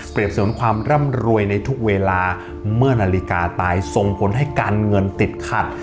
เสริมความร่ำรวยในทุกเวลาเมื่อนาฬิกาตายส่งผลให้การเงินติดขัด